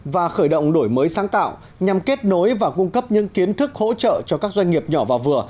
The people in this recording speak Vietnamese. và khởi động đổi mới sáng tạo nhằm kết nối và cung cấp những kiến thức hỗ trợ cho các doanh nghiệp nhỏ và vừa